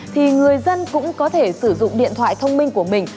thì người dân cũng có thể sử dụng điện thoại thông minh của mình